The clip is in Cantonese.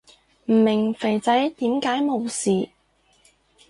唔明肥仔點解冇事